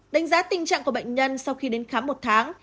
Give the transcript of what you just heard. đánh giá tình trạng của bệnh nhân sau khi đến khám một tháng